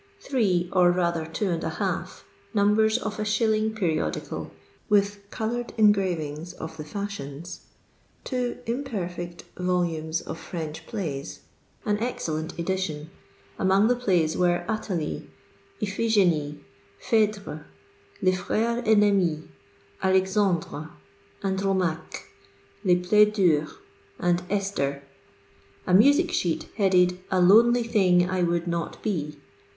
Three, or rather two and a half, numbers of a ahiUing periodical, witli "coloured engravings of the fashions." Two (imperfect) volumes of French Plays, an excellent edition; among the playi were Athalie, Iphigenie, Phedre, Lea Frerei Bnncmis, Alexandre, Andromaque, Les Flai deurs, and Esther. . A music sheet, headed " A lonely thing I would not be."